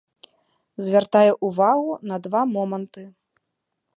Звяртаю ўвагу на два моманты.